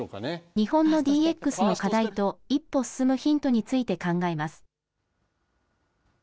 日本のＤＸの課題と、一歩進むヒントについて考えます。